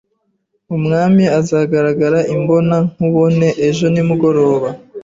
Umwami azagaragara imbonankubone ejo nimugoroba.